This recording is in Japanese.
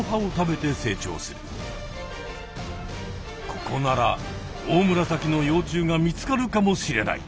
ここならオオムラサキの幼虫が見つかるかもしれない。